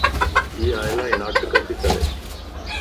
ايا الائي ناٽڪ تي ڪري